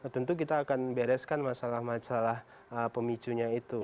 tentu kita akan bereskan masalah masalah pemicunya itu